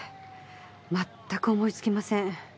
まったく思いつきません。